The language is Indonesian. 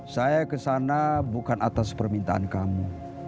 saya ke sana bukan atas permintaan kamu